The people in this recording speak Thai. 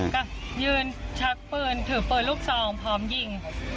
ก็ยืนชักปืนถือปืนลูกซองพร้อมยิง